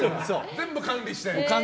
全部管理して。